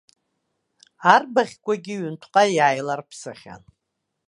Арбаӷьқәагьы ҩынтәҟа иааиларԥсахьан.